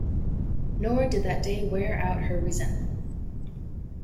Nor did that day wear out her resentment.